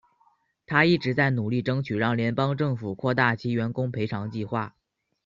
她一直在努力争取让联邦政府扩大其员工赔偿计划。